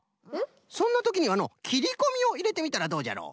そんなときにはのうきりこみをいれてみたらどうじゃろう？